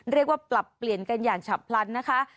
เรียกว่าปรับเปลี่ยนกันอย่างฉับพลันนะคะ